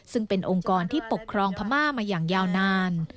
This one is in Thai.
ซึ่งเป็นองค์กรที่ปกครองพม่ามาอย่างยาวนาน